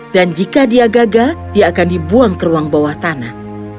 dan jika dia gagal dia akan dibuang ke ruang bawah tanah